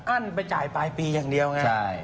ั้นไปจ่ายปลายปีอย่างเดียวไง